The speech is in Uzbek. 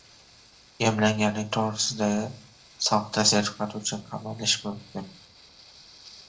Emlanganlik to‘g‘risida soxta sertifikat uchun qamalish mumkin